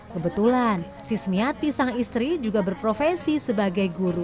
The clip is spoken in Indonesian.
kebetulan si semiati sang istri juga berprofesi sebagai guru